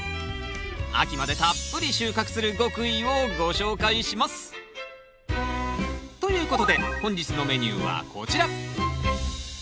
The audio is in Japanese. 秋までたっぷり収穫する極意をご紹介します！ということで本日のメニューはこちら。